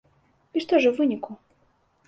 І што ж у выніку?